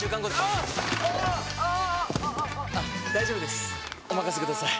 ニャー大丈夫ですおまかせください！